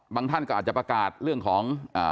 ท่านก็อาจจะประกาศเรื่องของ